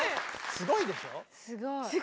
すごいでしょ。